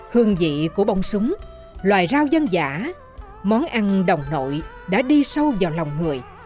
hương vị của bông súng loài rau dân giả món ăn đồng nội đã đi sâu vào lòng người